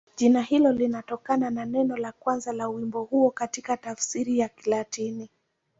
Jina hilo linatokana na neno la kwanza la wimbo huo katika tafsiri ya Kilatini.